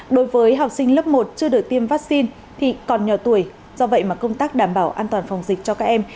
đối với học sinh lớp một chưa được tiêm vaccine thì còn nhỏ tuổi do vậy mà công tác đảm bảo an toàn phòng dịch cho các em